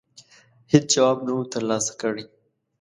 هېڅ جواب نه وو ترلاسه کړی.